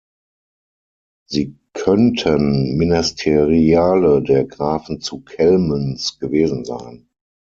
Sie könnten Ministeriale der Grafen zu Kellmünz gewesen sein.